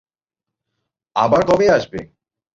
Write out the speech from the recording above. আবার কবে আসবে?